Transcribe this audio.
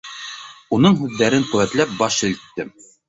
Уның һүҙҙәрен ҡеүәтләп, баш һелктем.